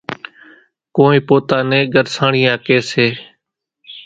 ڪونئين پوتا نين ڳرسانڻِيا ڪيَ سي۔